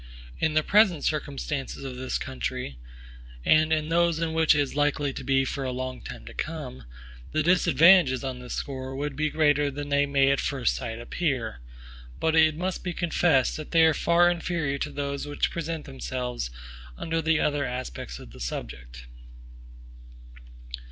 In the present circumstances of this country, and in those in which it is likely to be for a long time to come, the disadvantages on this score would be greater than they may at first sight appear; but it must be confessed, that they are far inferior to those which present themselves under the other aspects of the subject.